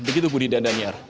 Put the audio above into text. begitu budi dan danyar